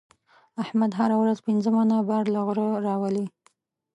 احمد هره ورځ پنځه منه بار له غره راولي.